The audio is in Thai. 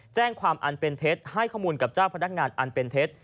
แจ้งความอันเป็นเท็จให้ข้อมูลกับเจ้าพนักงานอันเป็นเท็จ